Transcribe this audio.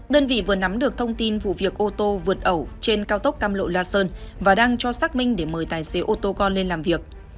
đơn vị vừa nắm được thông tin vụ việc ô tô vượt ẩu trên cao tốc cam lộ la sơn và đang cho xác minh để mời tài xế ô tô con lên làm việc